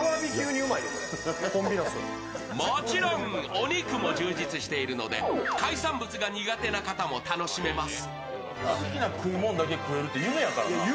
もちろんお肉も充実しているので、海産物が苦手な方も楽しめます。